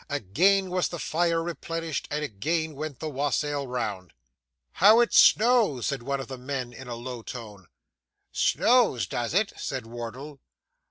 Again was the fire replenished, and again went the wassail round. 'How it snows!' said one of the men, in a low tone. 'Snows, does it?' said Wardle.